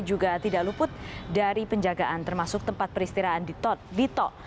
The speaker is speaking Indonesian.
juga tidak luput dari penjagaan termasuk tempat peristiraan di tol